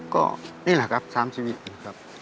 ก็นี่แหละครับทราบชีวิตครับ